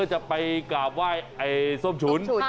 จะไปกราบไหว้ไอ้ส้มฉุน